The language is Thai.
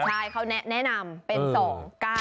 ใช่เขาแนะนำเป็น๒๙